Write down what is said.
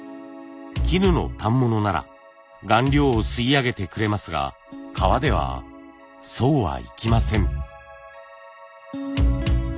絹の反物なら顔料を吸い上げてくれますが革ではそうはいきません。